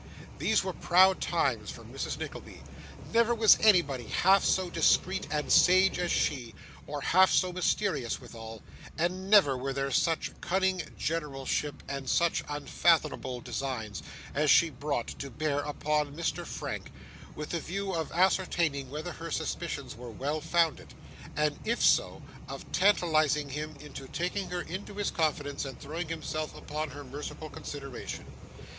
These were proud times for Mrs Nickleby; never was anybody half so discreet and sage as she, or half so mysterious withal; and never were there such cunning generalship, and such unfathomable designs, as she brought to bear upon Mr. Frank, with the view of ascertaining whether her suspicions were well founded: and if so, of tantalising him into taking her into his confidence and throwing himself upon her merciful consideration.